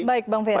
baik bang ferry